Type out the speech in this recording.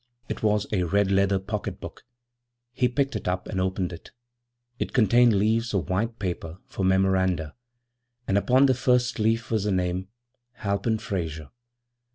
It was a redleather pocket book. He picked it up and opened it. It contained leaves of white paper for memoranda, and upon the first leaf was the name 'Halpin Frayser.'